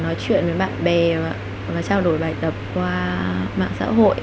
nói chuyện với bạn bè và trao đổi bài tập qua mạng xã hội